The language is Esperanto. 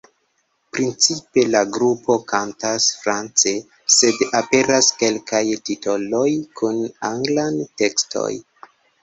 Principe la grupo kantas france sed aperas kelkaj titoloj kun anglan tekstoj.